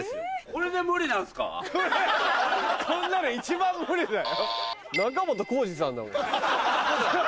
これこんなの一番無理だよ。